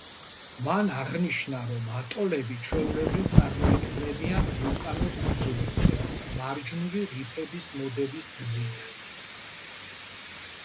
მან აღნიშნა, რომ ატოლები ჩვეულებრივ წარმოიქმნებიან ვულკანურ კუნძულებზე მარჯნული რიფების მოდების გზით.